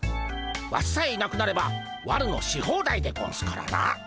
ワシさえいなくなれば悪のし放題でゴンスからな。